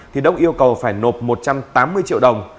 thì đốc yêu cầu phải nộp một trăm linh triệu đồng